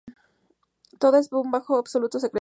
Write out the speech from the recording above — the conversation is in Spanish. Todo esto bajo un absoluto secreto.